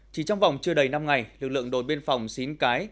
chỉ trong vòng chưa đầy năm ngày lực lượng đồn biên phòng xín cái